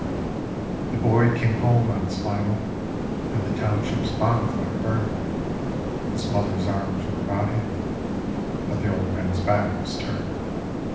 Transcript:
The boy came home on his "final", and the township's bonfire burned. His mother's arms were about him; but the old man's back was turned.